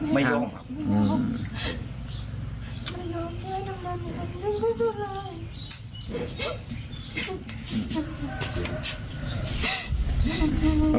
ไม่ยอม